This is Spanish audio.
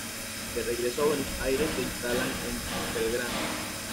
De regreso a Buenos Aires se instalan en Belgrano.